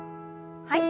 はい。